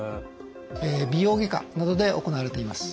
美容外科などで行われています。